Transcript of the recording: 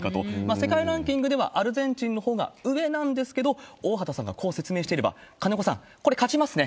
世界ランキングではアルゼンチンのほうが上なんですけれども、大畑さんがこう説明していれば、金子さん、これ、勝ちますね。